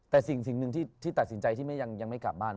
แต่สิ่งหนึ่งที่ตัดสินใจที่ยังไม่กลับบ้าน